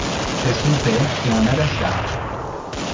C'est son père qui en a la charge.